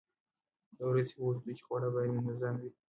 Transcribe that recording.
د ورځې په اوږدو کې خواړه باید منظم وي.